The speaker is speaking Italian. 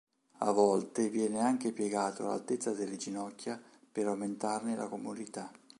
A volte viene anche piegato all'altezza delle ginocchia per aumentarne la comodità.